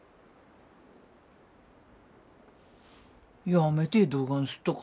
やめてどがんすっとか？